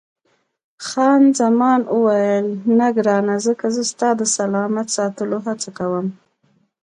خان زمان وویل، نه ګرانه، ځکه زه ستا د سلامت ساتلو هڅه کوم.